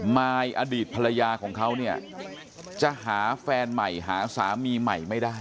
มายอดีตภรรยาของเขาเนี่ยจะหาแฟนใหม่หาสามีใหม่ไม่ได้